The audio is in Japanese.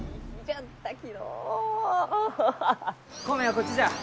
米はこっちじゃ。